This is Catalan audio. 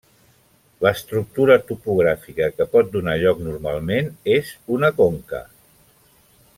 L'estructura topogràfica que pot donar lloc normalment és una conca.